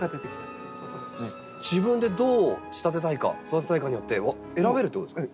自分でどう仕立てたいか育てたいかによって選べるってことですか？